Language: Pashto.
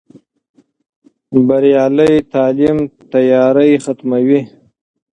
بریالی تعلیم تیارې ختموي.